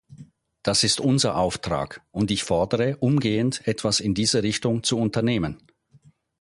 Das ist unser Auftrag, und ich fordere, umgehend etwas in dieser Richtung zu unternehmen.